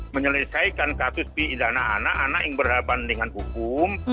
menyelesaikan kasus pidana anak anak yang berhadapan dengan hukum